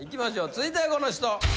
続いてはこの人！